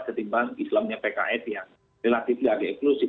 ketimbang islamnya pks yang relatif lagi eklusif